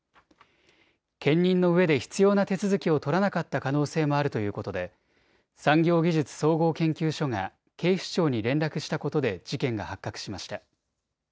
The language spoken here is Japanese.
兼任のうえで必要な手続きを取らなかった可能性もあるということで産業技術総合研究所が警視庁に連絡したことで事件が発覚しました。